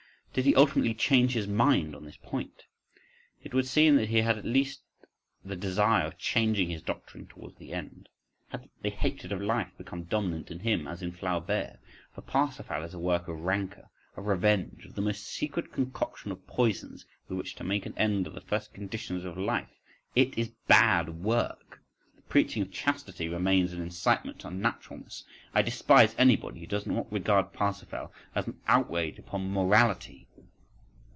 Did he ultimately change his mind on this point? It would seem that he had at least had the desire of changing his doctrine towards the end.… Had the hatred of life become dominant in him as in Flaubert? For "Parsifal" is a work of rancour, of revenge, of the most secret concoction of poisons with which to make an end of the first conditions of life, it is a bad work. The preaching of chastity remains an incitement to unnaturalness: I despise anybody who does not regard "Parsifal" as an outrage upon morality.